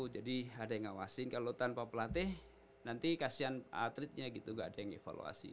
jadi ada yang ngawasin kalau tanpa pelatih nanti kasihan atletnya gitu gak ada yang evaluasi gitu